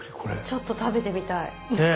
ちょっと食べてみたい。ね。